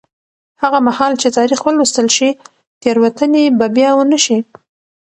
هغه مهال چې تاریخ ولوستل شي، تېروتنې به بیا ونه شي.